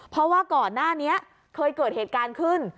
เพราะว่าก่อนหน้านี้เคยเกิดเหตุการณ์ขึ้น